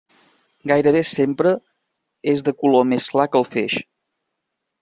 Gairebé sempre és de color més clar que el feix.